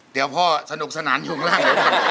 เดี๋ยวพ่อสนุกสนานอยู่ข้างล่าง